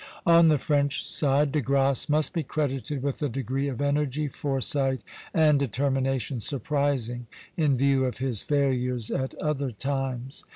On the French side De Grasse must be credited with a degree of energy, foresight, and determination surprising in view of his failures at other times.